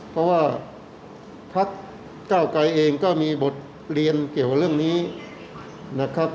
เพราะว่าพักเก้าไกรเองก็มีบทเรียนเกี่ยวกับเรื่องนี้นะครับ